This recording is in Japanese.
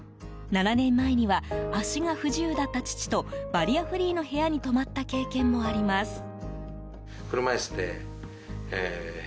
７年前には足が不自由だった父とバリアフリーの部屋に泊まった経験もあります。